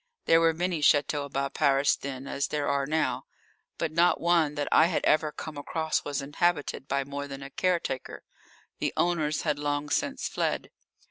There were many châteaux about Paris then, as there are now, but not one that I had ever come across was inhabited by more than a caretaker. The owners had long since fled.